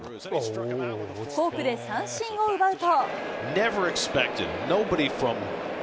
フォークで三振を奪うと。